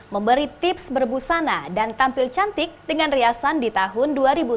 memberi tips berbusana dan tampil cantik dengan riasan di tahun dua ribu tujuh belas